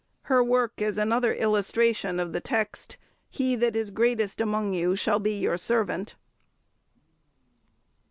Her work is another illustration of the text, "He that is greatest among you, shall be your servant."